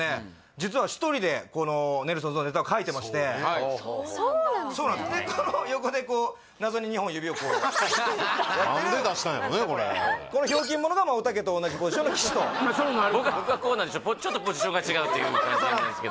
実は１人でこのそうなんですねそうなんですでこの横でこう謎に２本指をこうやってる何で出したんやろねこれこのひょうきん者がおたけと同じポジションの岸と僕はこうなんでちょっとポジションが違うという感じなんす